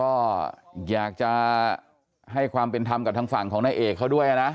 ก็อยากจะให้ความเป็นธรรมกับทางฝั่งของนายเอกเขาด้วยนะ